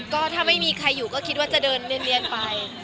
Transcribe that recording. ก็ถ้าไม่มีใครอยู่ก็คิดว่าจะเดินเรียนไป